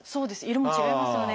色も違いますよね。